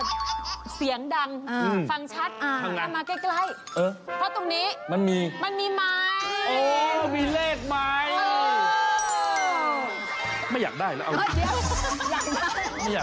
เดี๋ยวตอบคำถามด้วยที่ฉันมีคำถามมา